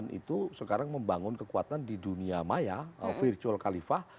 dan saat itu mbak colawan itu sekarang membangun kekuatan di dunia maya virtual califah